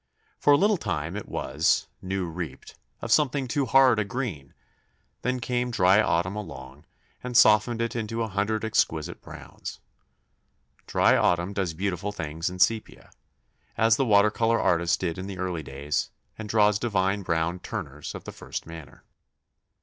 For a little time it was new reaped of something too hard a green; then came dry autumn along, and softened it into a hundred exquisite browns. Dry autumn does beautiful things in sepia, as the water colour artist did in the early days, and draws divine brown Turners of the first manner.